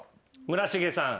村重さん。